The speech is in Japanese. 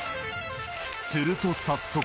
すると早速。